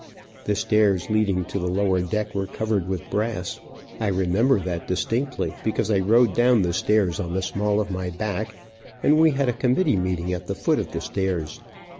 The stairs leading to the lower deck were covered with brass. I remember that distinctly, because I rode down the stairs on the small of my back, and we had a committee meeting at the foot of the stairs.